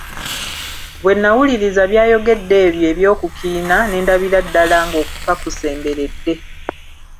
Bwe nawuliriza by'ayogedde ebyo eby'okukiina ne ndabira ddala ng'okufa kunsemberedde.